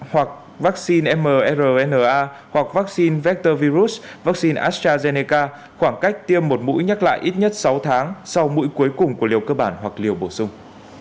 hoặc vaccine mrna hoặc vaccine vector virus vaccine astrazeneca khoảng cách tiêm một mũi nhắc lại ít nhất sáu tháng sau mũi cuối cùng của liều cơ bản hoặc liều bổ sung